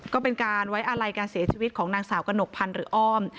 ก็เป็นการไว้อาลัยการเสียชีวิตของนางสาวกระหนกพันธ์หรืออ้อม